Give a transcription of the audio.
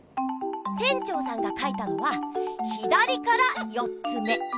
店長さんが書いたのは「ひだりから４つめ」。